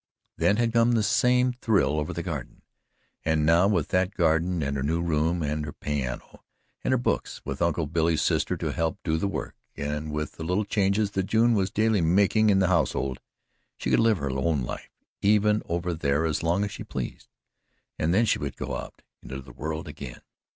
Then had come the same thrill over the garden, and now with that garden and her new room and her piano and her books, with Uncle Billy's sister to help do the work, and with the little changes that June was daily making in the household, she could live her own life even over there as long as she pleased, and then she would go out into the world again.